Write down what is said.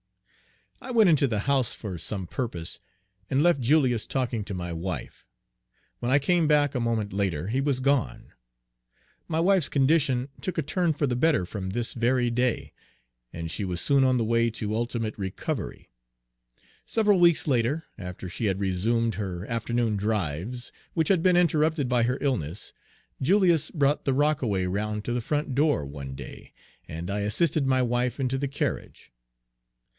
I went into the house for some purpose, and left Julius talking to my wife. When I came back a moment later, he was gone. My wife's condition took a turn for the better from this very day, and she was soon on the way to ultimate recovery. Several weeks later, after she had resumed her afternoon drives, which had been interrupted by her illness, Julius brought the rockaway round to the front door one day, and I assisted my wife into the carriage.